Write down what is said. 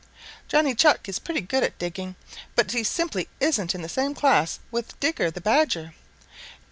Johnny Chuck is pretty good at digging, but he simply isn't in the same class with Digger the Badger.